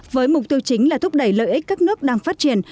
với mục tiêu chính là thúc đẩy lợi ích các nước đang phát triển